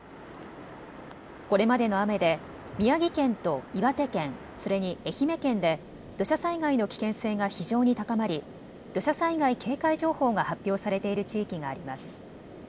これまでの雨で宮城県と岩手県、それに愛媛県で土砂災害の危険性が非常に高まり土砂災害警戒情報が発表されている地域があります。